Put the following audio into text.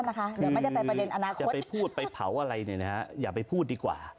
เดี๋ยวไม่ได้ไปประเด็นอนาคตจะไปพูดไปเผาอะไรอย่าไปพูดดีกว่า